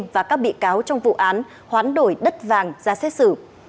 và các bị cáo trong vụ án hoán đổi đất vàng ra xét xử